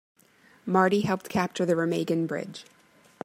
Marty helped capture the Remagen Bridge.